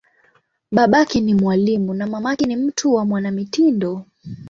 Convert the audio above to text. Babake ni mwalimu, na mamake ni mtu wa mwanamitindo.